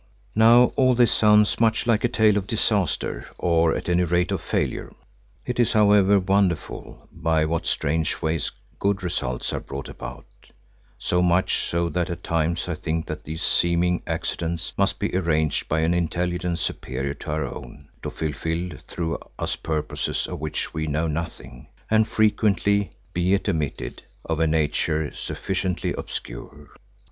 Now all this sounds much like a tale of disaster, or at any rate of failure. It is, however, wonderful by what strange ways good results are brought about, so much so that at times I think that these seeming accidents must be arranged by an Intelligence superior to our own, to fulfil through us purposes of which we know nothing, and frequently, be it admitted, of a nature sufficiently obscure.